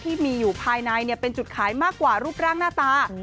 ที่มีอยู่ภายในเป็นจุดขายมากกว่ารูปร่างหน้าตา